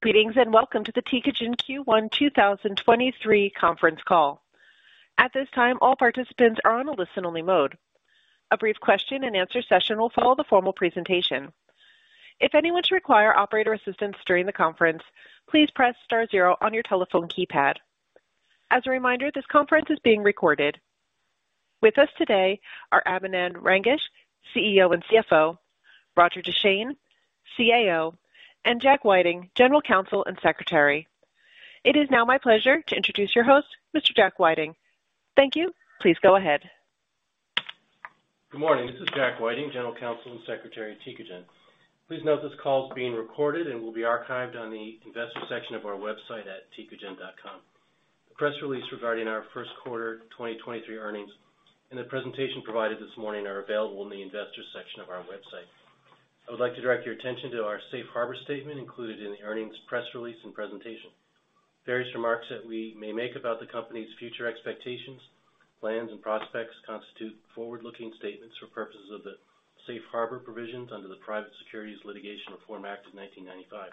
Greetings, and welcome to the Tecogen Q1 2023 conference call. At this time, all participants are on a listen-only mode. A brief question and answer session will follow the formal presentation. If anyone should require operator assistance during the conference, please press star zero on your telephone keypad. As a reminder, this conference is being recorded. With us today are Abinand Rangesh, CEO and CFO, Roger Deschenes, CAO, and John Whiting, General Counsel and Secretary. It is now my pleasure to introduce your host, Mr. John Whiting. Thank you. Please go ahead. Good morning. This is John Whiting, General Counsel and Secretary at Tecogen. Please note this call is being recorded and will be archived on the investor section of our website at tecogen.com. The press release regarding our first quarter 2023 earnings and the presentation provided this morning are available in the investor section of our website. I would like to direct your attention to our Safe Harbor statement included in the earnings press release and presentation. Various remarks that we may make about the company's future expectations, plans and prospects constitute forward-looking statements for purposes of the Safe Harbor provisions under the Private Securities Litigation Reform Act of 1995.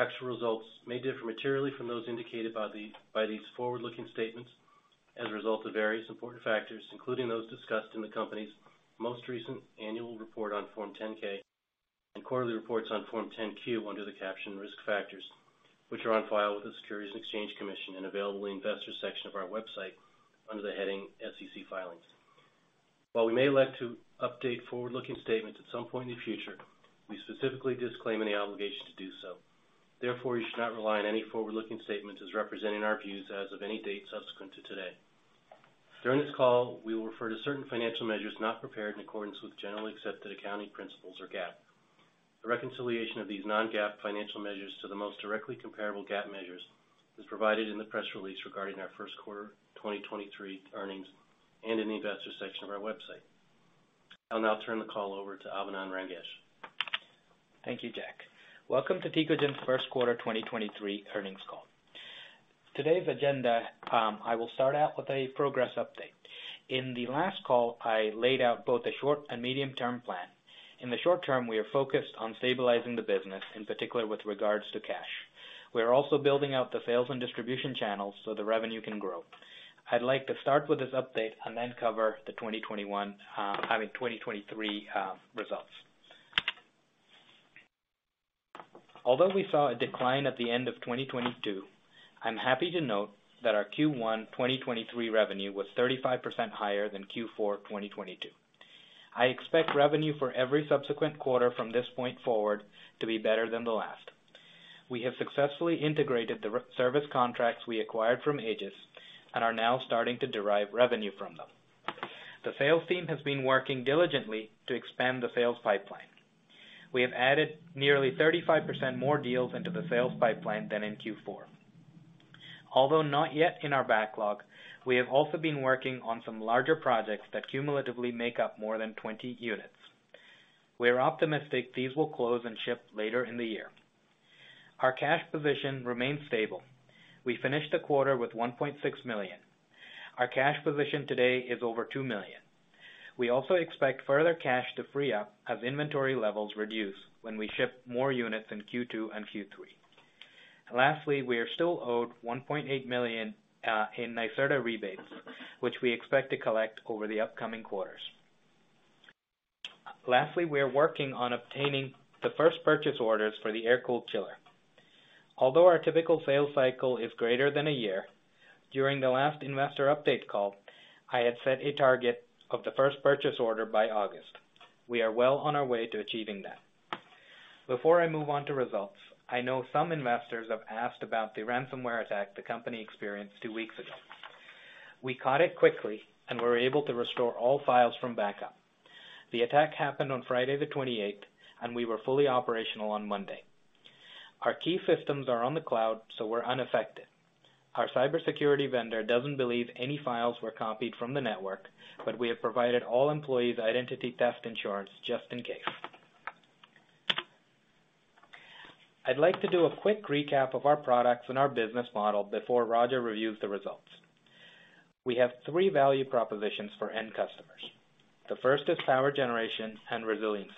Actual results may differ materially from those indicated by these forward-looking statements as a result of various important factors, including those discussed in the company's most recent annual report on Form 10-K and quarterly reports on Form 10-Q under the caption Risk Factors, which are on file with the Securities and Exchange Commission and available in investor section of our website under the heading SEC filings. While we may elect to update forward-looking statements at some point in the future, we specifically disclaim any obligation to do so. Therefore, you should not rely on any forward-looking statements as representing our views as of any date subsequent to today. During this call, we will refer to certain financial measures not prepared in accordance with generally accepted accounting principles or GAAP. The reconciliation of these non-GAAP financial measures to the most directly comparable GAAP measures is provided in the press release regarding our first quarter 2023 earnings and in the investor section of our website. I'll now turn the call over to Abinand Rangesh. Thank you, John. Welcome to Tecogen's first quarter 2023 earnings call. Today's agenda, I will start out with a progress update. In the last call, I laid out both a short and medium-term plan. In the short-term, we are focused on stabilizing the business, in particular with regards to cash. We are also building out the sales and distribution channels so the revenue can grow. I'd like to start with this update and then cover the 2023 results. Although we saw a decline at the end of 2022, I'm happy to note that our Q1 2023 revenue was 35% higher than Q4 2022. I expect revenue for every subsequent quarter from this point forward to be better than the last. We have successfully integrated the service contracts we acquired from Aegis and are now starting to derive revenue from them. The sales team has been working diligently to expand the sales pipeline. We have added nearly 35% more deals into the sales pipeline than in Q4. Although not yet in our backlog, we have also been working on some larger projects that cumulatively make up more than 20 units. We are optimistic these will close and ship later in the year. Our cash position remains stable. We finished the quarter with $1.6 million. Our cash position today is over $2 million. We also expect further cash to free up as inventory levels reduce when we ship more units in Q2 and Q3. Lastly, we are still owed $1.8 million in NYSERDA rebates, which we expect to collect over the upcoming quarters. Lastly, we are working on obtaining the first purchase orders for the air-cooled chiller. Although our typical sales cycle is greater than 1 year, during the last investor update call, I had set a target of the first purchase order by August. We are well on our way to achieving that. Before I move on to results, I know some investors have asked about the ransomware attack the company experienced two weeks ago. We caught it quickly and were able to restore all files from backup. The attack happened on Friday the 28th, and we were fully operational on Monday. Our key systems are on the cloud, so we're unaffected. Our cybersecurity vendor doesn't believe any files were copied from the network, but we have provided all employees identity theft insurance just in case. I'd like to do a quick recap of our products and our business model before Roger reviews the results. We have three value propositions for end customers. The first is power generation and resiliency.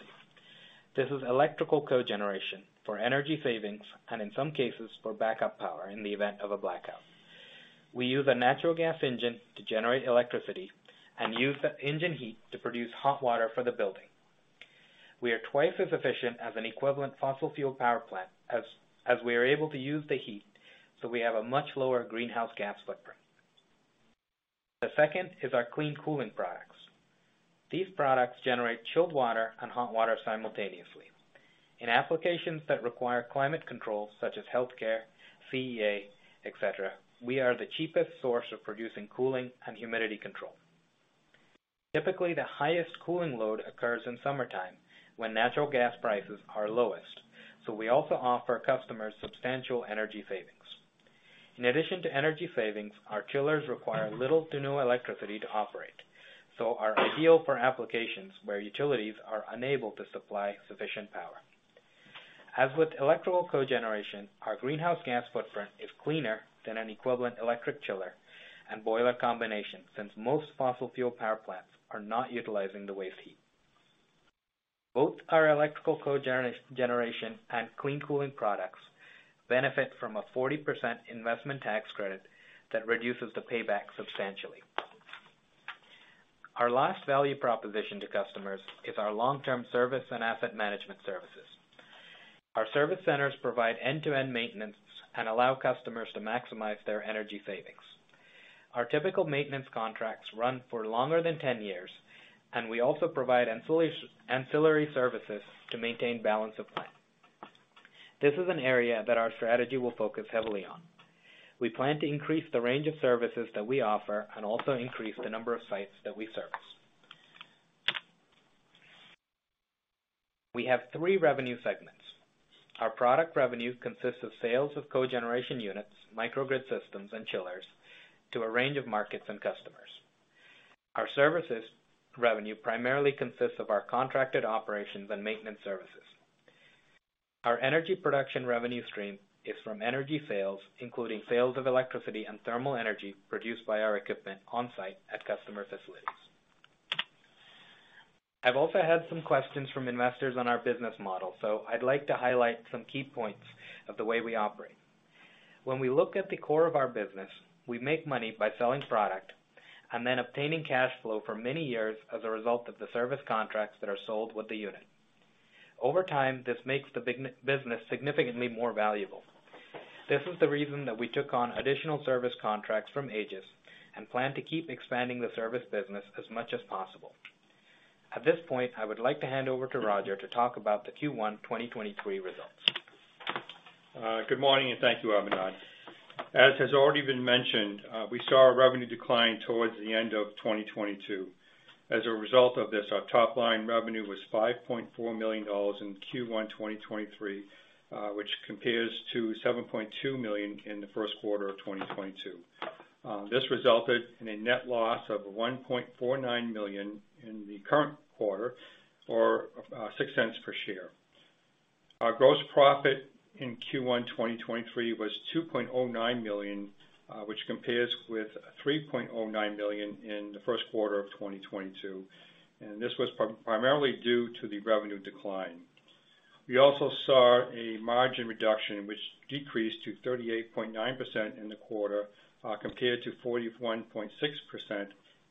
This is electrical cogeneration for energy savings and in some cases for backup power in the event of a blackout. We use a natural gas engine to generate electricity and use the engine heat to produce hot water for the building. We are twice as efficient as an equivalent fossil fuel power plant as we are able to use the heat, so we have a much lower greenhouse gas footprint. The second is our clean cooling products. These products generate chilled water and hot water simultaneously. In applications that require climate control, such as healthcare, CEA, et cetera, we are the cheapest source of producing cooling and humidity control. Typically, the highest cooling load occurs in summertime when natural gas prices are lowest, so we also offer customers substantial energy savings. In addition to energy savings, our chillers require little to no electricity to operate, so are ideal for applications where utilities are unable to supply sufficient power. As with electrical cogeneration, our greenhouse gas footprint is cleaner than an equivalent electric chiller and boiler combination since most fossil fuel power plants are not utilizing the waste heat. Both our electrical cogeneration and clean cooling products benefit from a 40% Investment Tax Credit that reduces the payback substantially. Our last value proposition to customers is our long-term service and asset management services. Our service centers provide end-to-end maintenance and allow customers to maximize their energy savings. Our typical maintenance contracts run for longer than 10 years, and we also provide ancillary services to maintain balance of plant. This is an area that our strategy will focus heavily on. We plan to increase the range of services that we offer and also increase the number of sites that we service. We have three revenue segments. Our product revenue consists of sales of cogeneration units, microgrid systems, and chillers to a range of markets and customers. Our services revenue primarily consists of our contracted operations and maintenance services. Our energy production revenue stream is from energy sales, including sales of electricity and thermal energy produced by our equipment on-site at customer facilities. I've also had some questions from investors on our business model, so I'd like to highlight some key points of the way we operate. When we look at the core of our business, we make money by selling product and then obtaining cash flow for many years as a result of the service contracts that are sold with the unit. Over time, this makes the business significantly more valuable. This is the reason that we took on additional service contracts from Aegis and plan to keep expanding the service business as much as possible. At this point, I would like to hand over to Roger to talk about the Q1 2023 results. Good morning, and thank you, Abinand. As has already been mentioned, we saw a revenue decline towards the end of 2022. As a result of this, our top-line revenue was $5.4 million in Q1 2023, which compares to $7.2 million in the first quarter of 2022. This resulted in a net loss of $1.49 million in the current quarter or, $0.06 per share. Our gross profit in Q1 2023 was $2.09 million, which compares with $3.09 million in the first quarter of 2022, and this was primarily due to the revenue decline. We also saw a margin reduction which decreased to 38.9% in the quarter, compared to 41.6%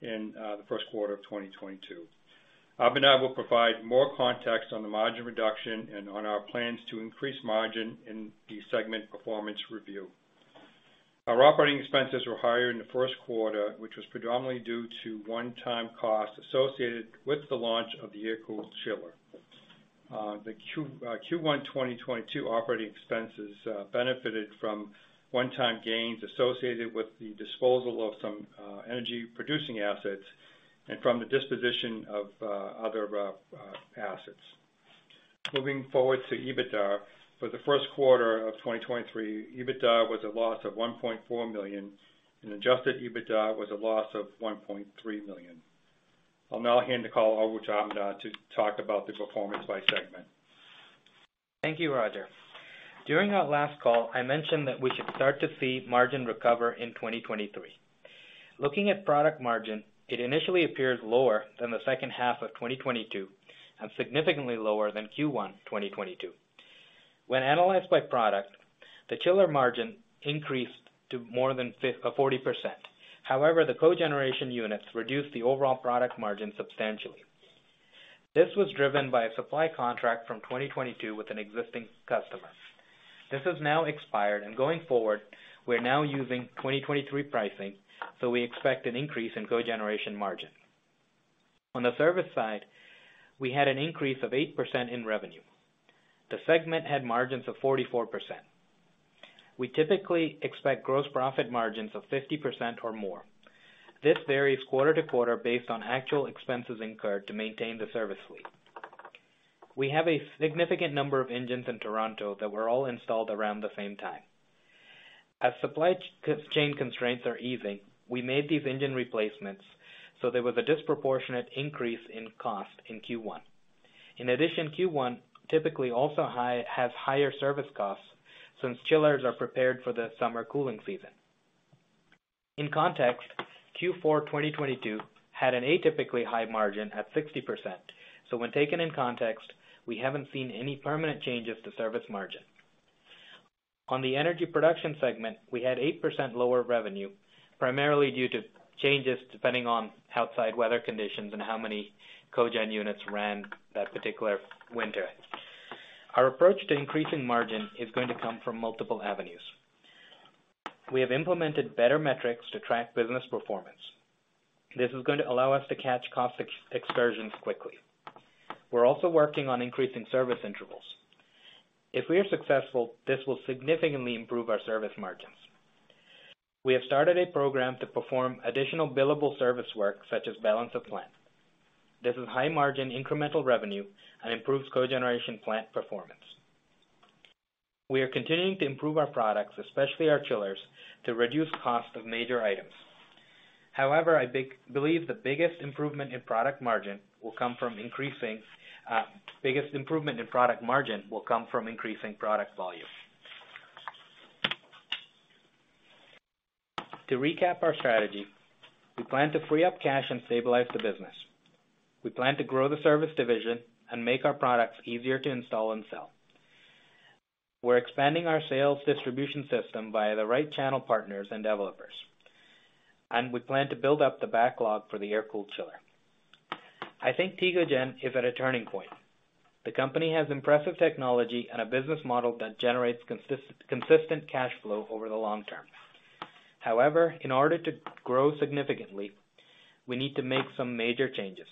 in the first quarter of 2022. Abinand will provide more context on the margin reduction and on our plans to increase margin in the segment performance review. Our operating expenses were higher in the first quarter, which was predominantly due to one-time costs associated with the launch of the TECOCHILL. The Q1 2022 operating expenses benefited from one-time gains associated with the disposal of some energy-producing assets and from the disposition of other assets. Moving forward to EBITDA. For the first quarter of 2023, EBITDA was a loss of $1.4 million, and Adjusted EBITDA was a loss of $1.3 million. I'll now hand the call over to Abinand to talk about the performance by segment. Thank you, Roger. During our last call, I mentioned that we should start to see margin recover in 2023. Looking at product margin, it initially appears lower than the second half of 2022 and significantly lower than Q1, 2022. When analyzed by product, the chiller margin increased to more than 40%. However, the cogeneration units reduced the overall product margin substantially. This was driven by a supply contract from 2022 with an existing customer. This has now expired, and going forward, we're now using 2023 pricing, so we expect an increase in cogeneration margin. On the service side, we had an increase of 8% in revenue. The segment had margins of 44%. We typically expect gross profit margins of 50% or more. This varies quarter to quarter based on actual expenses incurred to maintain the service fleet. We have a significant number of engines in Toronto that were all installed around the same time. As supply chain constraints are easing, we made these engine replacements, so there was a disproportionate increase in cost in Q1. In addition, Q1 typically also has higher service costs since chillers are prepared for the summer cooling season. In context, Q4 2022 had an atypically high margin at 60%. When taken in context, we haven't seen any permanent changes to service margin. On the energy production segment, we had 8% lower revenue, primarily due to changes depending on outside weather conditions and how many cogen units ran that particular winter. Our approach to increasing margin is going to come from multiple avenues. We have implemented better metrics to track business performance. This is going to allow us to catch cost excursions quickly. We're also working on increasing service intervals. If we are successful, this will significantly improve our service margins. We have started a program to perform additional billable service work, such as balance of plant. This is high-margin incremental revenue and improves cogeneration plant performance. We are continuing to improve our products, especially our chillers, to reduce cost of major items. However, I believe the biggest improvement in product margin will come from increasing product volume. To recap our strategy, we plan to free up cash and stabilize the business. We plan to grow the service division and make our products easier to install and sell. We're expanding our sales distribution system via the right channel partners and developers, and we plan to build up the backlog for the air-cooled chiller. I think Tecogen is at a turning point. The company has impressive technology and a business model that generates consistent cash flow over the long term. However, in order to grow significantly, we need to make some major changes.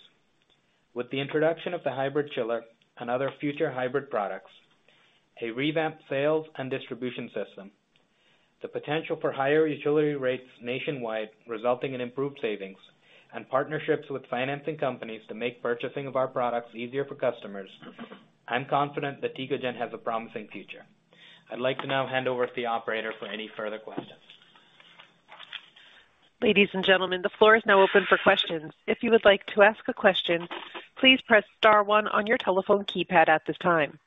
With the introduction of the hybrid chiller and other future hybrid products, a revamped sales and distribution system, the potential for higher utility rates nationwide, resulting in improved savings and partnerships with financing companies to make purchasing of our products easier for customers, I'm confident that Tecogen has a promising future. I'd like to now hand over to the operator for any further questions. Ladies and gentlemen, the floor is now open for questions. If you would like to ask a question, please press star one on your telephone keypad at this time.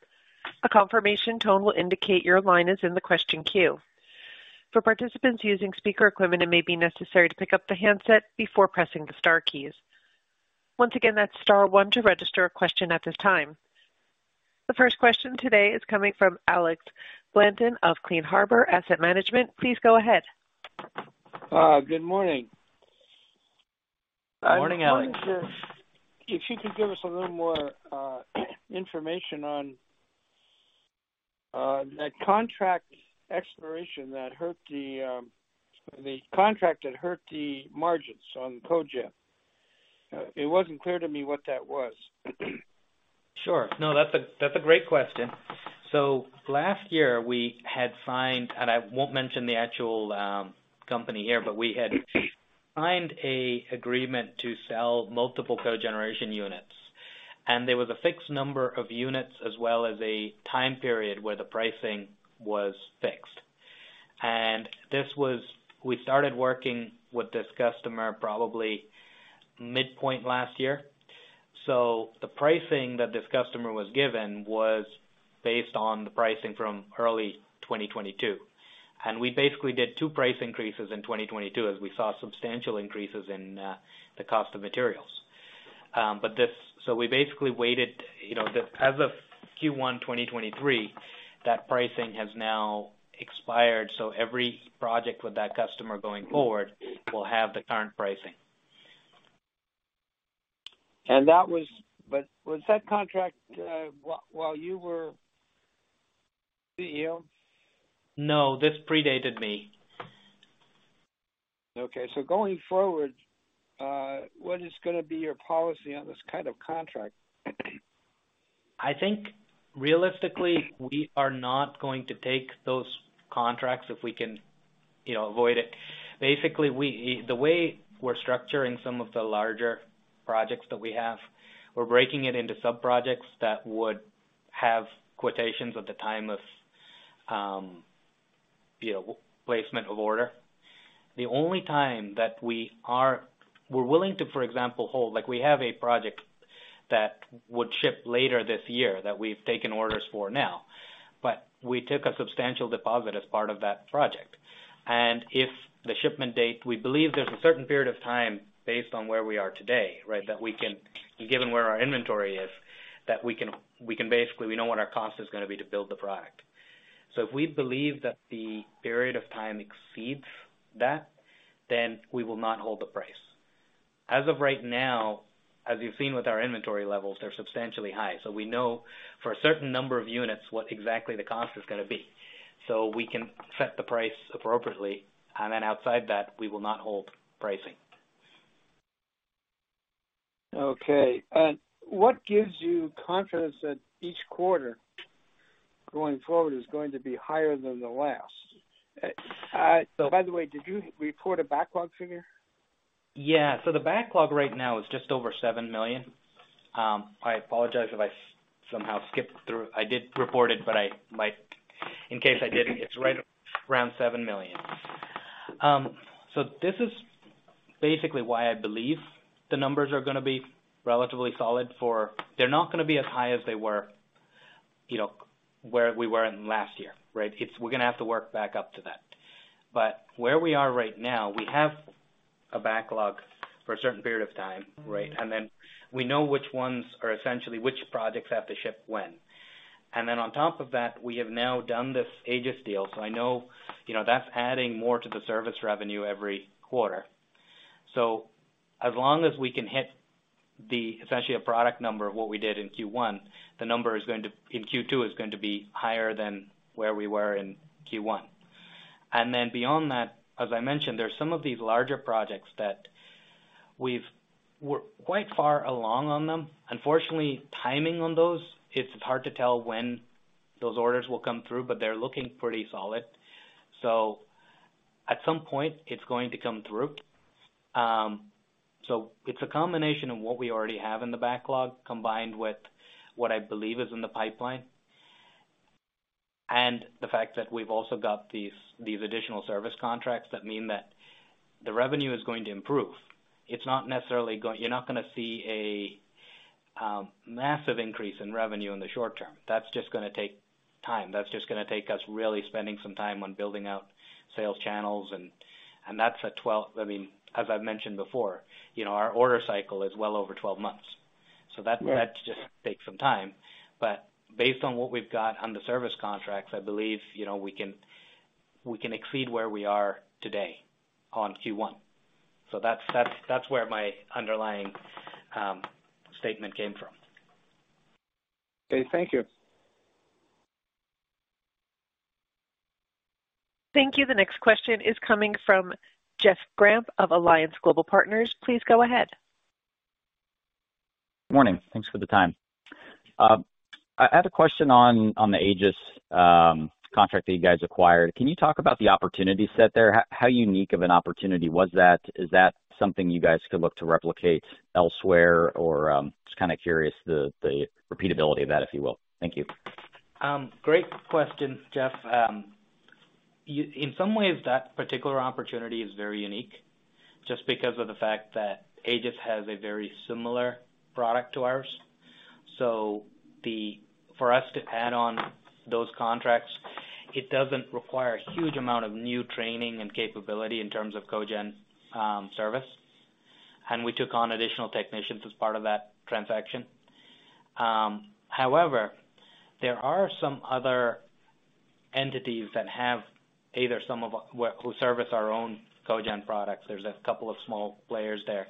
A confirmation tone will indicate your line is in the question queue. For participants using speaker equipment, it may be necessary to pick up the handset before pressing the star keys. Once again, that is star one to register a question at this time. The first question today is coming from Alexander Blanton of Clear Harbor Asset Management. Please go ahead. Good morning. Morning, Alex. I was wondering if you could give us a little more information on that contract expiration that hurt the contract that hurt the margins on the cogen. It wasn't clear to me what that was. Sure. No, that's a, that's a great question. Last year we had signed, and I won't mention the actual company here, but we had signed a agreement to sell multiple cogeneration units, and there was a fixed number of units as well as a time period where the pricing was fixed. We started working with this customer probably midpoint last year. The pricing that this customer was given was based on the pricing from early 2022. We basically did two price increases in 2022 as we saw substantial increases in the cost of materials. We basically waited, you know, as of Q1 2023, that pricing has now expired. Every project with that customer going forward will have the current pricing. was that contract, while you were CEO? No, this predated me. Okay. Going forward, what is gonna be your policy on this kind of contract? I think realistically we are not going to take those contracts if we can, you know, avoid it. Basically, we, the way we're structuring some of the larger projects that we have, we're breaking it into sub-projects that would have quotations at the time of, you know, placement of order. The only time that we're willing to, for example, hold, like we have a project that would ship later this year that we've taken orders for now, but we took a substantial deposit as part of that project. If the shipment date, we believe there's a certain period of time based on where we are today, right? That we can, given where our inventory is, that we can basically, we know what our cost is gonna be to build the product. If we believe that the period of time exceeds that, then we will not hold the price. As of right now, as you've seen with our inventory levels, they're substantially high. We know for a certain number of units what exactly the cost is gonna be, so we can set the price appropriately, and then outside that, we will not hold pricing. Okay. What gives you confidence that each quarter going forward is going to be higher than the last? By the way, did you report a backlog figure? Yeah. The backlog right now is just over $7 million. I apologize if I somehow skipped through. I did report it, but I, like, in case I didn't, it's right around $7 million. This is basically why I believe the numbers are gonna be relatively solid. They're not gonna be as high as they were, you know, where we were in last year, right? We're gonna have to work back up to that. Where we are right now, we have a backlog for a certain period of time, right? We know which ones or essentially which projects have to ship when. On top of that, we have now done this Aegis deal. I know, you know, that's adding more to the service revenue every quarter. As long as we can hit the, essentially a product number of what we did in Q1, the number in Q2 is going to be higher than where we were in Q1. Beyond that, as I mentioned, there are some of these larger projects that we're quite far along on them. Unfortunately, timing on those, it's hard to tell when those orders will come through, but they're looking pretty solid. At some point it's going to come through. It's a combination of what we already have in the backlog, combined with what I believe is in the pipeline, and the fact that we've also got these additional service contracts that mean that the revenue is going to improve. It's not necessarily You're not gonna see a massive increase in revenue in the short term. That's just gonna take time. That's just gonna take us really spending some time on building out sales channels. I mean, as I've mentioned before, you know, our order cycle is well over 12 months. Right. That just takes some time. Based on what we've got on the service contracts, I believe, you know, we can exceed where we are today on Q1. That's where my underlying statement came from. Okay. Thank you. Thank you. The next question is coming from Jeff Grampp of Alliance Global Partners. Please go ahead. Morning. Thanks for the time. I had a question on the Aegis contract that you guys acquired. Can you talk about the opportunity set there? How unique of an opportunity was that? Is that something you guys could look to replicate elsewhere? Just kinda curious the repeatability of that, if you will. Thank you. Great question, Jeff. In some ways, that particular opportunity is very unique just because of the fact that Aegis has a very similar product to ours. For us to add on those contracts, it doesn't require a huge amount of new training and capability in terms of cogen service. We took on additional technicians as part of that transaction. However, there are some other entities that have either some of who service our own cogen products. There's a couple of small players there,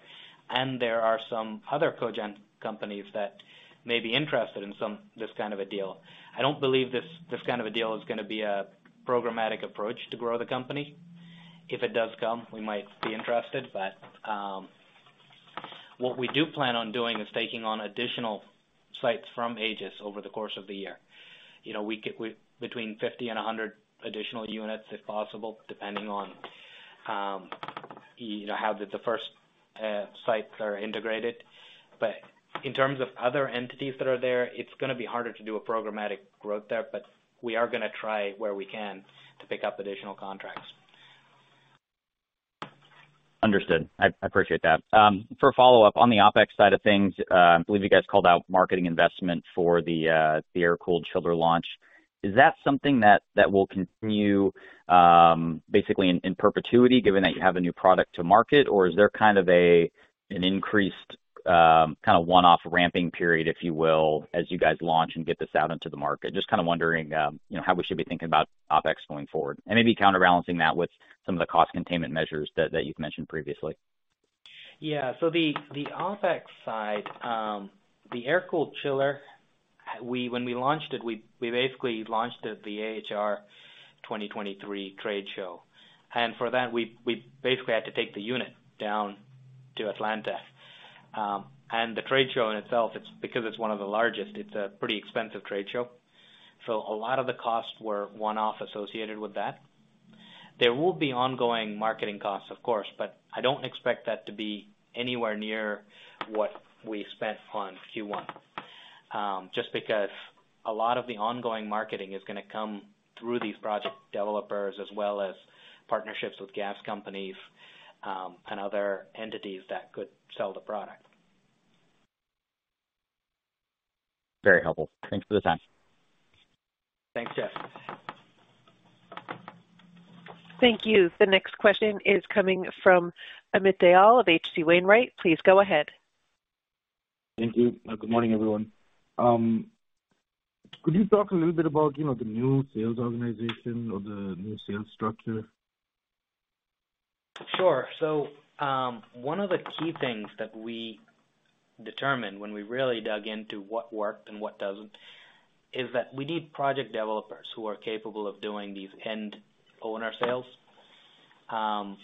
and there are some other cogen companies that may be interested in this kind of a deal. I don't believe this kind of a deal is gonna be a programmatic approach to grow the company. If it does come, we might be interested. What we do plan on doing is taking on additional sites from Aegis over the course of the year. You know, we between 50 and 100 additional units, if possible, depending on, you know, how the first sites are integrated. In terms of other entities that are there, it's gonna be harder to do a programmatic growth there, but we are gonna try where we can to pick up additional contracts. Understood. I appreciate that. For follow-up, on the OpEx side of things, I believe you guys called out marketing investment for the air-cooled chiller launch. Is that something that will continue, basically in perpetuity, given that you have a new product to market? Or is there kind of an increased, kinda one-off ramping period, if you will, as you guys launch and get this out into the market? Just kinda wondering, you know, how we should be thinking about OpEx going forward, and maybe counterbalancing that with some of the cost containment measures that you've mentioned previously. Yeah. The, the OpEx side, the air-cooled chiller, when we launched it, we basically launched it at the AHR 2023 trade show. For that we basically had to take the unit down to Atlanta. The trade show in itself, because it's one of the largest, it's a pretty expensive trade show. A lot of the costs were one-off associated with that. There will be ongoing marketing costs, of course, but I don't expect that to be anywhere near what we spent on Q1 just because a lot of the ongoing marketing is gonna come through these project developers as well as partnerships with gas companies and other entities that could sell the product. Very helpful. Thanks for the time. Thanks, Jeff. Thank you. The next question is coming from Amit Dayal of H.C. Wainwright. Please go ahead. Thank you. Good morning, everyone. Could you talk a little bit about, you know, the new sales organization or the new sales structure? Sure. One of the key things that we determined when we really dug into what worked and what doesn't, is that we need project developers who are capable of doing these end owner sales. The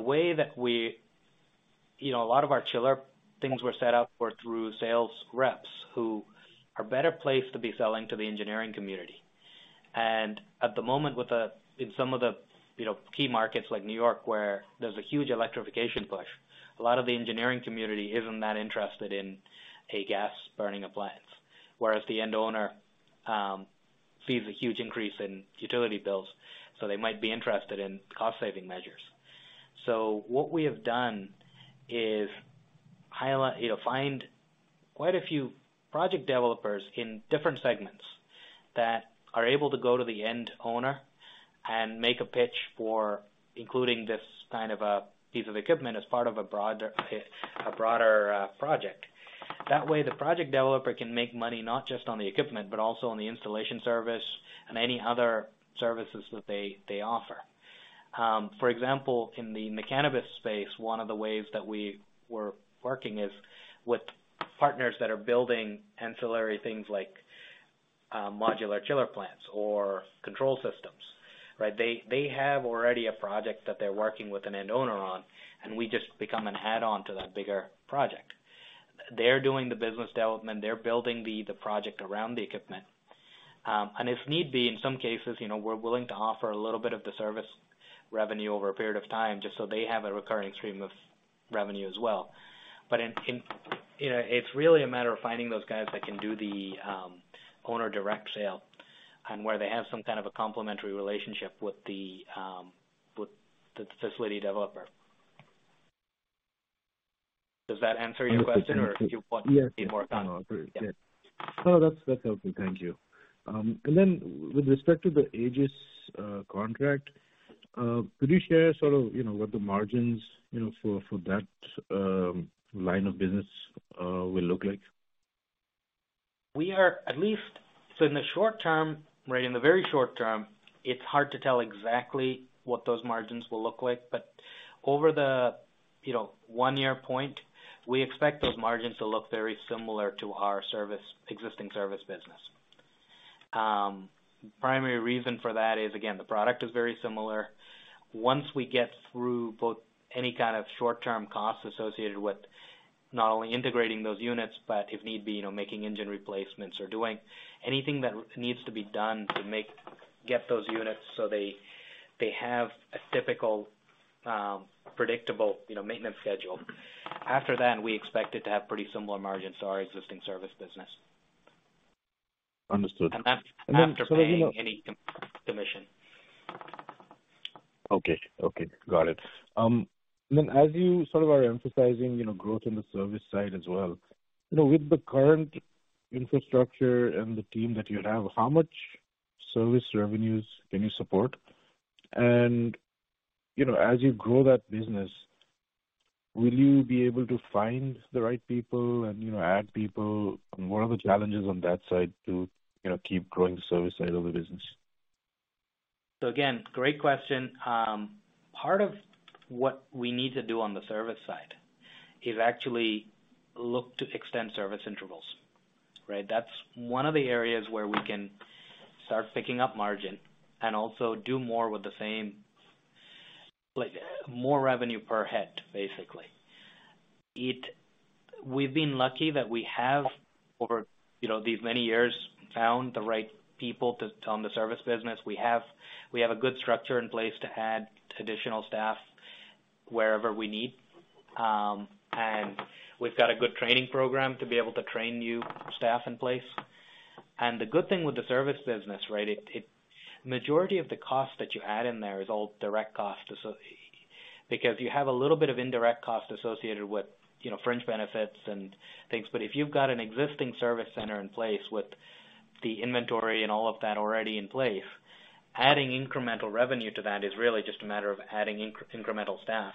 way that we, you know, a lot of our chiller things were set up were through sales reps who are better placed to be selling to the engineering community. At the moment with the in some of the, you know, key markets like New York, where there's a huge electrification push, a lot of the engineering community isn't that interested in a gas burning appliance. Whereas the end owner, sees a huge increase in utility bills, so they might be interested in cost saving measures. What we have done is, you know, find quite a few project developers in different segments that are able to go to the end owner and make a pitch for including this kind of a piece of equipment as part of a broader project. That way, the project developer can make money not just on the equipment, but also on the installation service and any other services that they offer. For example, in the cannabis space, one of the ways that we were working is with partners that are building ancillary things like modular chiller plants or control systems, right? They have already a project that they're working with an end owner on, and we just become an add-on to that bigger project. They're doing the business development. They're building the project around the equipment. If need be, in some cases, you know, we're willing to offer a little bit of the service revenue over a period of time just so they have a recurring stream of revenue as well. You know, it's really a matter of finding those guys that can do the owner direct sale. Where they have some kind of a complementary relationship with the, with the facility developer. Does that answer your question or do you want? Yes. Need more time? No, that's helpful. Thank you. With respect to the Aegis contract, could you share sort of, you know, what the margins, you know, for that line of business will look like? In the short term, right, in the very short term, it's hard to tell exactly what those margins will look like. Over the, you know, 1-year point, we expect those margins to look very similar to our existing service business. Primary reason for that is, again, the product is very similar. Once we get through both any kind of short-term costs associated with not only integrating those units, but if need be, you know, making engine replacements or doing anything that needs to be done to get those units so they have a typical, predictable, you know, maintenance schedule. After then, we expect it to have pretty similar margins to our existing service business. Understood. That's after paying any commission. Okay. Okay. Got it. As you sort of are emphasizing, you know, growth in the service side as well, you know, with the current infrastructure and the team that you have, how much service revenues can you support? You know, as you grow that business, will you be able to find the right people and, you know, add people? What are the challenges on that side to, you know, keep growing the service side of the business? Again, great question. Part of what we need to do on the service side is actually look to extend service intervals. Right? That's one of the areas where we can start picking up margin and also do more with the same. Like more revenue per head, basically. We've been lucky that we have over, you know, these many years found the right people to own the service business. We have a good structure in place to add traditional staff wherever we need. We've got a good training program to be able to train new staff in place. The good thing with the service business, right, Majority of the cost that you add in there is all direct costs. Because you have a little bit of indirect cost associated with, you know, fringe benefits and things. If you've got an existing service center in place with the inventory and all of that already in place, adding incremental revenue to that is really just a matter of adding incremental staff.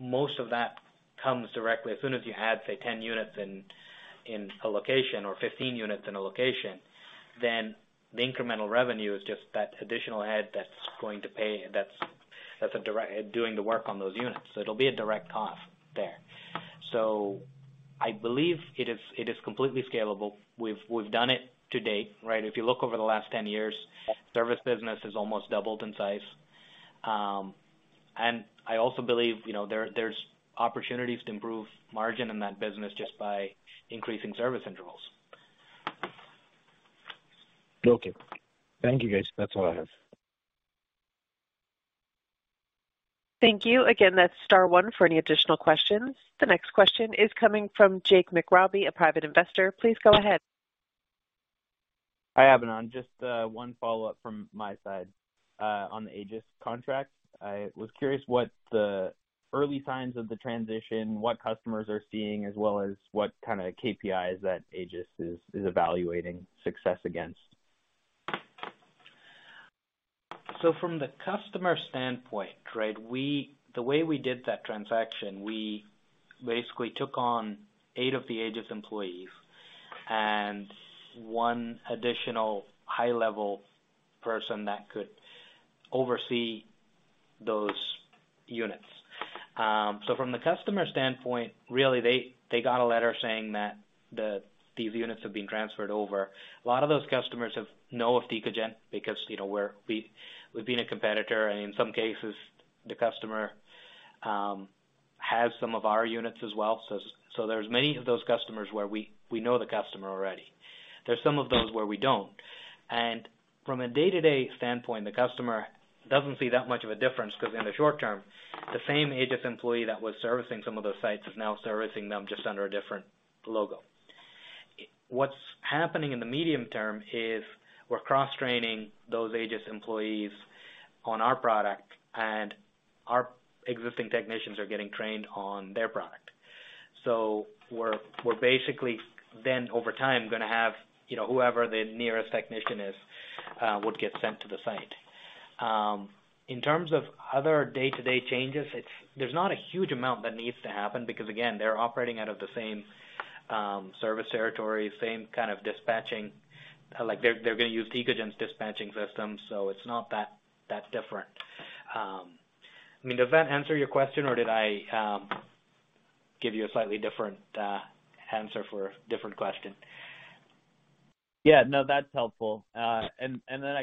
Most of that comes directly. As soon as you add, say, 10 units in a location or 15 units in a location, then the incremental revenue is just that additional head that's going to pay. That's, that's a direct doing the work on those units. It'll be a direct cost there. I believe it is, it is completely scalable. We've done it to date, right? If you look over the last 10 years, service business has almost doubled in size. I also believe, you know, there's opportunities to improve margin in that business just by increasing service intervals. Okay. Thank you, guys. That's all I have. Thank you. Again, that's star one for any additional questions. The next question is coming from Jake McRobbie, a private investor. Please go ahead. Hi, Abinand. Just one follow-up from my side on the Aegis contract. I was curious what the early signs of the transition, what customers are seeing, as well as what kind of KPIs that Aegis is evaluating success against? From the customer standpoint, the way we did that transaction, we basically took on eight of the Aegis employees and one additional high-level person that could oversee those units. From the customer standpoint, really, they got a letter saying that these units have been transferred over. A lot of those customers know of Tecogen because, you know, we've been a competitor, and in some cases, the customer has some of our units as well. There's many of those customers where we know the customer already. There's some of those where we don't. From a day-to-day standpoint, the customer doesn't see that much of a difference 'cause in the short term, the same Aegis employee that was servicing some of those sites is now servicing them just under a different logo. What's happening in the medium term is we're cross-training those Aegis employees on our product, and our existing technicians are getting trained on their product. We're basically then over time, gonna have, you know, whoever the nearest technician is, would get sent to the site. In terms of other day-to-day changes, there's not a huge amount that needs to happen because, again, they're operating out of the same service territory, same kind of dispatching. Like, they're gonna use Tecogen's dispatching system, so it's not that different. I mean, does that answer your question or did I give you a slightly different answer for a different question? Yeah. No, that's helpful. I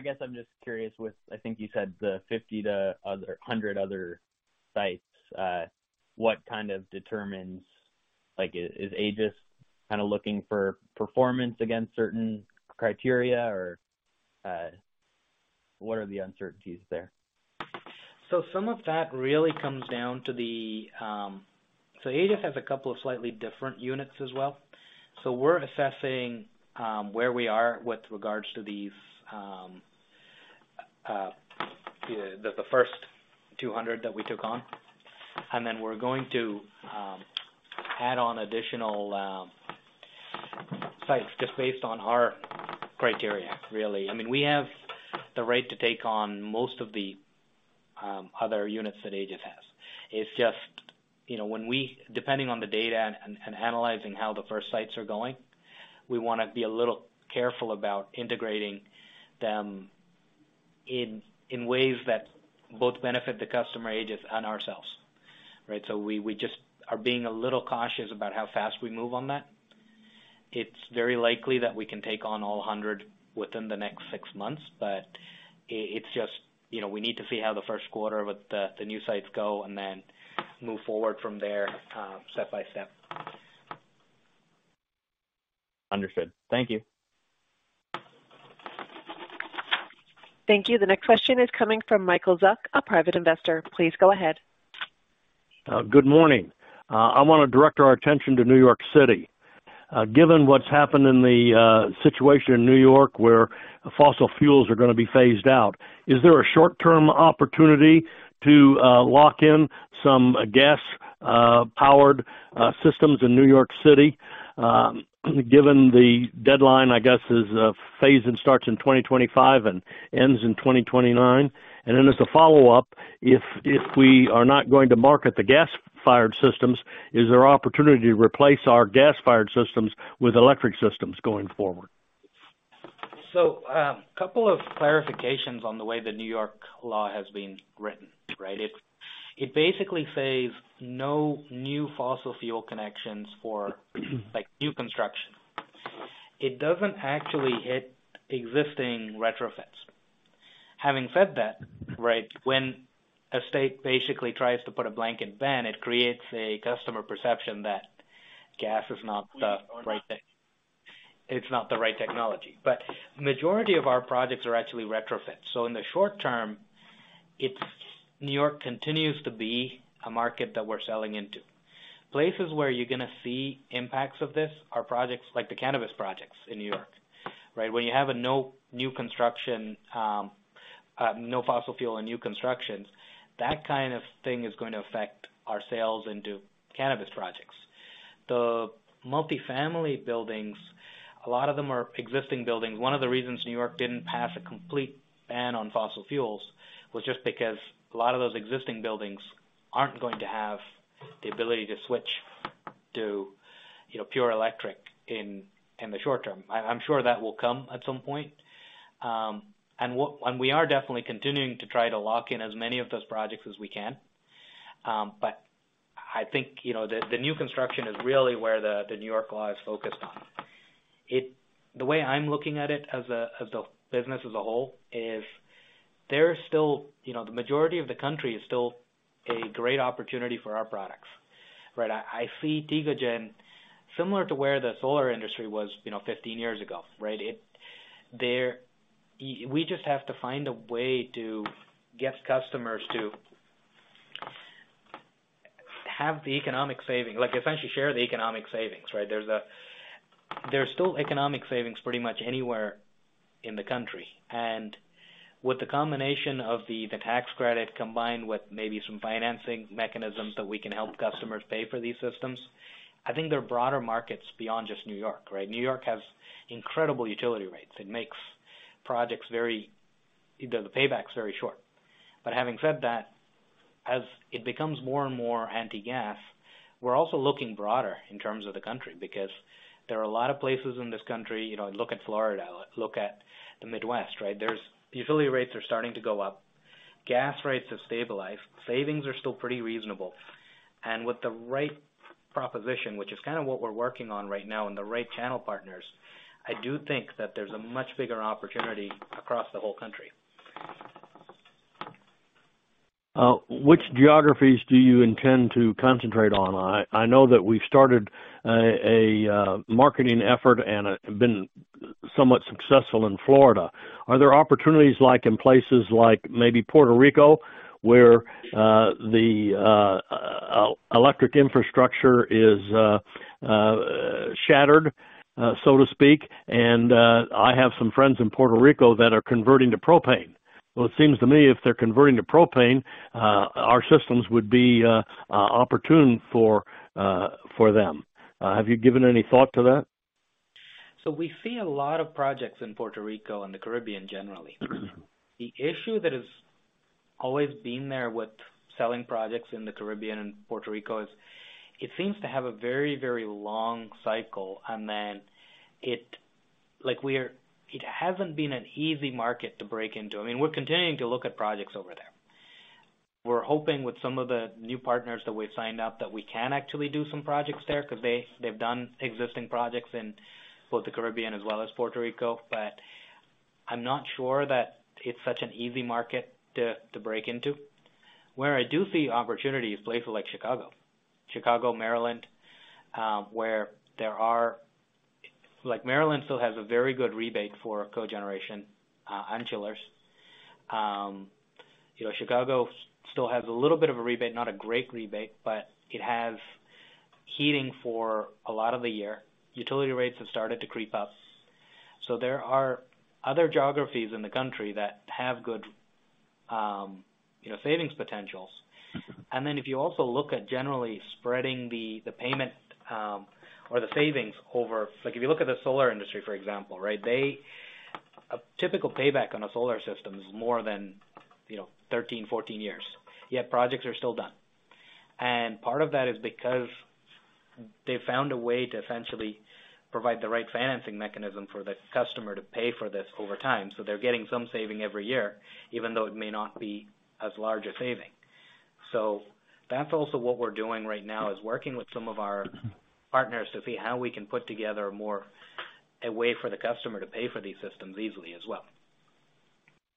guess I'm just curious with, I think you said the 50-100 other sites, what kind of determines... Like, is Aegis kind of looking for performance against certain criteria or, what are the uncertainties there? Some of that really comes down to the. Aegis has a couple of slightly different units as well. We're assessing where we are with regards to these, the first 200 that we took on, and then we're going to add on additional sites just based on our criteria, really. I mean, we have the right to take on most of the other units that Aegis has. It's just, you know, depending on the data and analyzing how the first sites are going, we wanna be a little careful about integrating them in ways that both benefit the customer Aegis and ourselves. Right? We just are being a little cautious about how fast we move on that. It's very likely that we can take on all 100 within the next six months, but it's just, you know, we need to see how the first quarter with the new sites go and then move forward from there, step by step. Understood. Thank you. Thank you. The next question is coming from Michael Zuck, a Private Investor. Please go ahead. Good morning. I wanna direct our attention to New York City. Given what's happened in the situation in New York, where fossil fuels are gonna be phased out, is there a short-term opportunity to lock in some gas powered systems in New York City, given the deadline, I guess, is phasing starts in 2025 and ends in 2029? Then as a follow-up, if we are not going to market the gas-fired systems, is there opportunity to replace our gas-fired systems with electric systems going forward? Couple of clarifications on the way the New York law has been written, right? It basically says no new fossil fuel connections for, like, new construction. It doesn't actually hit existing retrofits. Having said that, right, when a state basically tries to put a blanket ban, it creates a customer perception that gas is not the right thing. It's not the right technology. Majority of our projects are actually retrofits. In the short term, New York continues to be a market that we're selling into. Places where you're gonna see impacts of this are projects like the cannabis projects in New York, right? When you have a no new construction, no fossil fuel and new constructions, that kind of thing is going to affect our sales into cannabis projects. The multifamily buildings, a lot of them are existing buildings. One of the reasons New York didn't pass a complete ban on fossil fuels was just because a lot of those existing buildings aren't going to have the ability to switch to, you know, pure electric in the short term. I'm sure that will come at some point. We are definitely continuing to try to lock in as many of those projects as we can. I think, you know, the new construction is really where the New York law is focused on. The way I'm looking at it as a, as the business as a whole is there are still, you know, the majority of the country is still a great opportunity for our products, right? I see Tecogen similar to where the solar industry was, you know, 15 years ago, right? It There. We just have to find a way to get customers to have the economic savings. Like, essentially share the economic savings, right? There's still economic savings pretty much anywhere in the country. With the combination of the tax credit combined with maybe some financing mechanisms that we can help customers pay for these systems, I think there are broader markets beyond just New York, right? New York has incredible utility rates. It makes projects very. The payback's very short. Having said that, as it becomes more and more anti-gas, we're also looking broader in terms of the country because there are a lot of places in this country, you know, look at Florida, look at the Midwest, right? The utility rates are starting to go up. Gas rates have stabilized. Savings are still pretty reasonable. With the right proposition, which is kinda what we're working on right now, and the right channel partners, I do think that there's a much bigger opportunity across the whole country. Which geographies do you intend to concentrate on? I know that we've started a marketing effort and been somewhat successful in Florida. Are there opportunities like in places like maybe Puerto Rico, where the electric infrastructure is shattered, so to speak, and I have some friends in Puerto Rico that are converting to propane? Well, it seems to me if they're converting to propane, our systems would be opportune for them. Have you given any thought to that? We see a lot of projects in Puerto Rico and the Caribbean generally. Mm-hmm. The issue that has always been there with selling projects in the Caribbean and Puerto Rico is it seems to have a very, very long cycle, it hasn't been an easy market to break into. I mean, we're continuing to look at projects over there. We're hoping with some of the new partners that we've signed up that we can actually do some projects there 'cause they've done existing projects in both the Caribbean as well as Puerto Rico. I'm not sure that it's such an easy market to break into. Where I do see opportunity is places like Chicago. Chicago, Maryland, where like Maryland still has a very good rebate for cogeneration and chillers. You know, Chicago still has a little bit of a rebate, not a great rebate, but it has heating for a lot of the year. Utility rates have started to creep up. There are other geographies in the country that have good, you know, savings potentials. Then if you also look at generally spreading the payment, or the savings over... Like if you look at the solar industry, for example, right? A typical payback on a solar system is more than, you know, 13, 14 years, yet projects are still done. Part of that is because they've found a way to essentially provide the right financing mechanism for the customer to pay for this over time, so they're getting some saving every year, even though it may not be as large a saving. That's also what we're doing right now, is working with some of our partners to see how we can put together more a way for the customer to pay for these systems easily as well,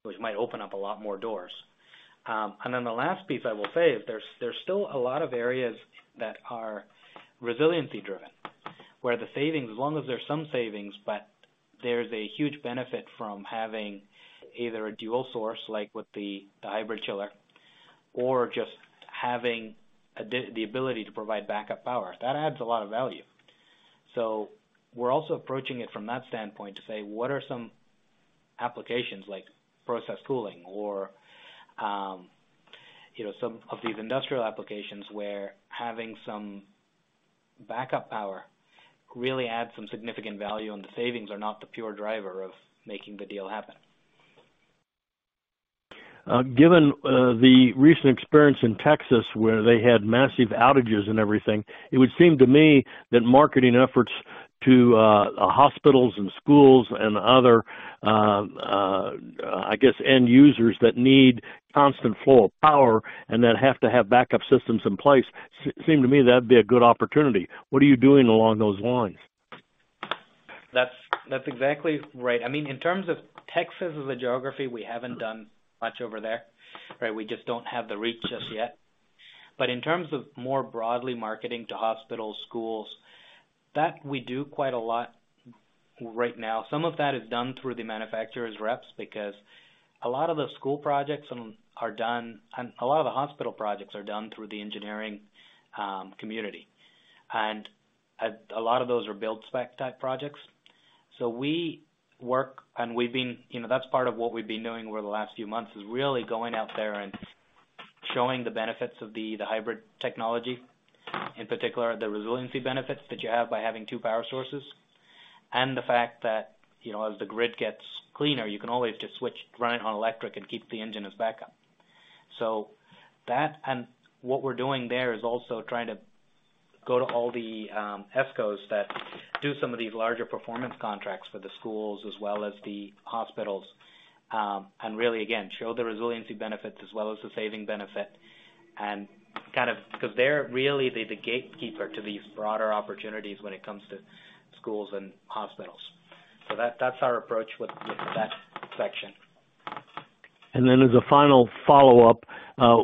which might open up a lot more doors. The last piece I will say is there's still a lot of areas that are resiliency-driven, where the savings, as long as there's some savings, but there's a huge benefit from having either a dual source, like with the Hybrid-Drive Chiller or just having the ability to provide backup power. That adds a lot of value. We're also approaching it from that standpoint to say, what are some applications like process cooling or, you know, some of these industrial applications where having some backup power really adds some significant value, and the savings are not the pure driver of making the deal happen. Given the recent experience in Texas, where they had massive outages and everything, it would seem to me that marketing efforts to hospitals and schools and other, I guess end users that need constant flow of power and that have to have backup systems in place, seem to me that'd be a good opportunity. What are you doing along those lines? That's exactly right. I mean, in terms of Texas as a geography, we haven't done much over there, right? We just don't have the reach just yet. In terms of more broadly marketing to hospitals, schools, that we do quite a lot right now. Some of that is done through the manufacturer's reps, because a lot of the school projects are done, and a lot of the hospital projects are done through the engineering community. A lot of those are build spec type projects. We work and we've been, you know, that's part of what we've been doing over the last few months, is really going out there and showing the benefits of the hybrid technology, in particular, the resiliency benefits that you have by having two power sources. The fact that, you know, as the grid gets cleaner, you can always just switch, run it on electric and keep the engine as backup. That and what we're doing there is also trying to go to all the ESCOs that do some of these larger performance contracts for the schools as well as the hospitals, and really, again, show the resiliency benefits as well as the saving benefit because they're really the gatekeeper to these broader opportunities when it comes to schools and hospitals. That's our approach with that section. As a final follow-up,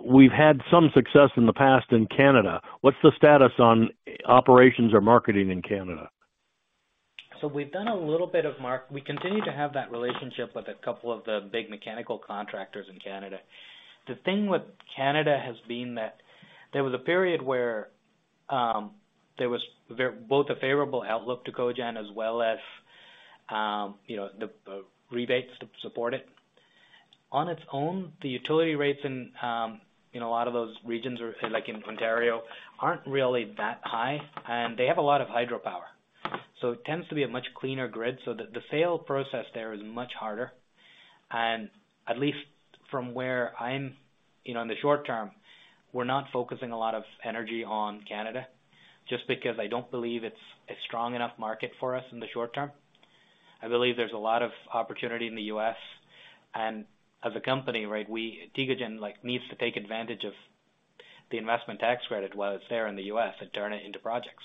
we've had some success in the past in Canada. What's the status on operations or marketing in Canada? We continue to have that relationship with a couple of the big mechanical contractors in Canada. The thing with Canada has been that there was a period where there was both a favorable outlook to cogen as well as, you know, the rebates to support it. On its own, the utility rates in, you know, a lot of those regions or like in Ontario aren't really that high, and they have a lot of hydropower. It tends to be a much cleaner grid, so the sale process there is much harder. At least from where I'm, you know, in the short term, we're not focusing a lot of energy on Canada just because I don't believe it's a strong enough market for us in the short term. I believe there's a lot of opportunity in the U.S. As a company, right, Tecogen like needs to take advantage of the Investment Tax Credit while it's there in the U.S. and turn it into projects.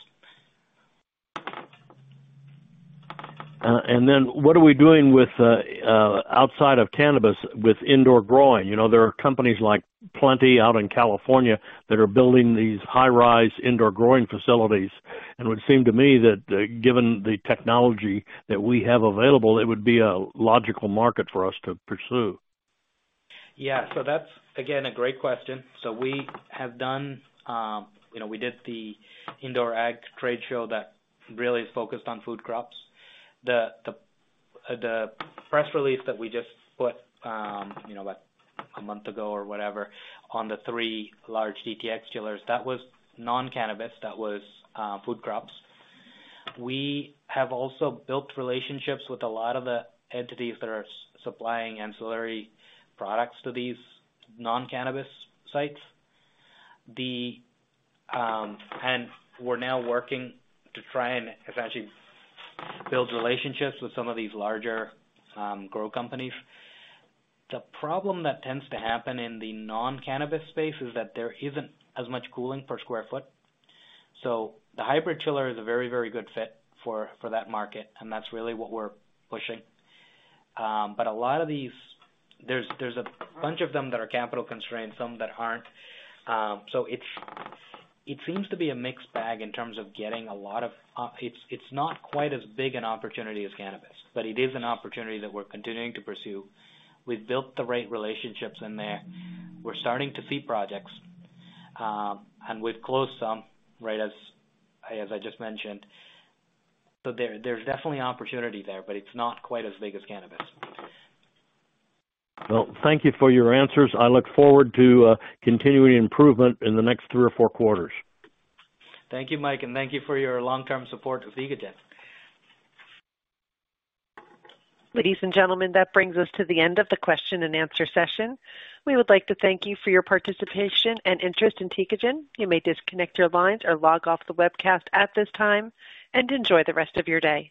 What are we doing with outside of cannabis with indoor growing? You know, there are companies like Plenty out in California that are building these high-rise indoor growing facilities. It would seem to me that given the technology that we have available, it would be a logical market for us to pursue. Yeah. That's, again, a great question. We have done, you know, we did the indoor ag trade show that really is focused on food crops. The press release that we just put, you know, about a month ago or whatever, on the three large DTx chillers, that was non-cannabis. That was food crops. We have also built relationships with a lot of the entities that are supplying ancillary products to these non-cannabis sites. We're now working to try and essentially build relationships with some of these larger grow companies. The problem that tends to happen in the non-cannabis space is that there isn't as much cooling per square foot. The Hybrid-Drive Chiller is a very, very good fit for that market, and that's really what we're pushing. A lot of these... There's a bunch of them that are capital constrained, some that aren't. So it's, it seems to be a mixed bag in terms of getting a lot of, it's not quite as big an opportunity as cannabis. It is an opportunity that we're continuing to pursue. We've built the right relationships in there. We're starting to see projects, and we've closed some, right, as I just mentioned. There's definitely opportunity there, but it's not quite as big as cannabis. Well, thank you for your answers. I look forward to continuing improvement in the next three or four quarters. Thank you, Mike, and thank you for your long-term support of Tecogen. Ladies and gentlemen, that brings us to the end of the question and answer session. We would like to thank you for your participation and interest in Tecogen. You may disconnect your lines or log off the webcast at this time, and enjoy the rest of your day.